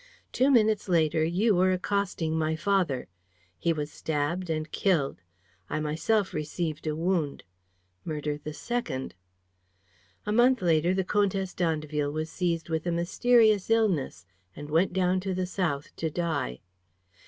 Two minutes later, you were accosting my father. He was stabbed and killed. I myself received a wound. Murder the second. A month later, the Comtesse d'Andeville was seized with a mysterious illness and went down to the south to die."